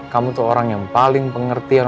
kamu tuh orang yang paling pengertian